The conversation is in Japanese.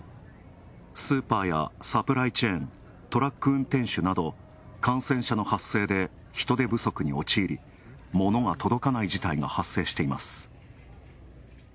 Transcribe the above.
スーパーやサプライチェーン、トラック運転手など、感染者の発生で人手不足に陥り物が届かない事態が発生しています。